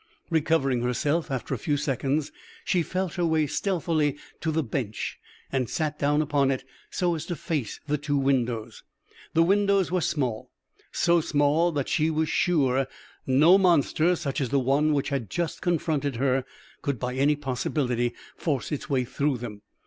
Recovering herself after a few seconds, she felt her way stealthily to the bench and sat down upon it so as to face the two windows. The windows were small so small that she was sure no monster such as the one which had just confronted her could by any possibility force its way through them.